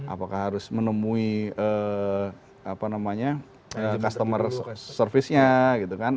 apakah harus menemui customer service nya gitu kan